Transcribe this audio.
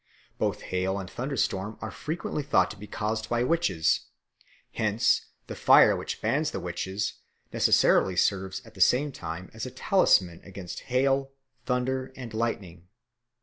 But both hail and thunderstorms are frequently thought to be caused by witches; hence the fire which bans the witches necessarily serves at the same time as a talisman against hail, thunder, and lightning.